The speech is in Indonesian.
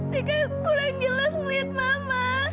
mereka kurang jelas melihat mama